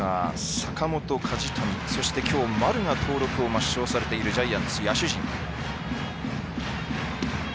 坂本、梶谷そしてきょう丸が登録を抹消されているジャイアンツ野手陣。